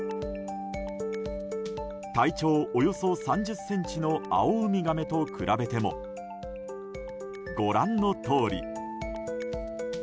体長およそ３０ｃｍのアオウミガメと比べてもご覧のとおり。